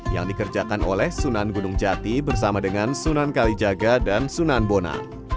yang dikerjakan oleh sunan gunung jati bersama dengan sunan kalijaga dan sunan bona